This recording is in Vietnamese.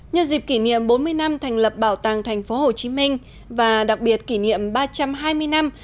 nhân dịp kỷ niệm bốn mươi năm thành lập bảo tàng tp hcm và đặc biệt kỷ niệm ba trăm hai mươi năm